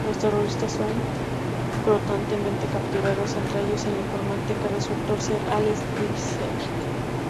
Los terroristas son prontamente capturados, entre ellos el informante, que resultó ser Alex Krycek.